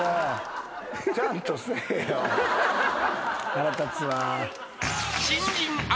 腹立つわ。